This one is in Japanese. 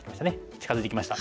近づいてきました。